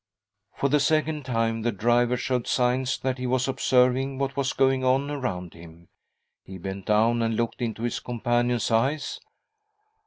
For the second time the driver showed signs that he was observing what was going on around him. He bent down and looked into his companion's eyes.